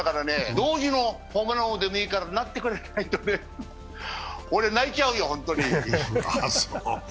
同時のホームラン王でもいいからなってくれないとね、俺泣いちゃうよ、ホントに。